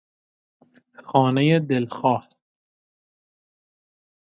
خانهی دلخواه